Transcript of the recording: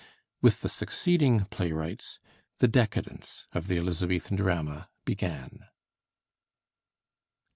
With the succeeding playwrights the decadence of the Elizabethan drama began.